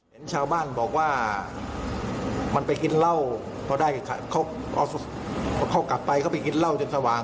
เห็นชาวบ้านบอกว่ามันไปกินเหล้าพอได้เขาเอาเขากลับไปเขาไปกินเหล้าจนสว่าง